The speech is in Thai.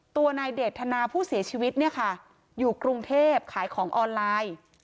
ตัวนายเดทนาผู้เสียชีวิตเนี่ยค่ะอยู่กรุงเทพขายของออนไลน์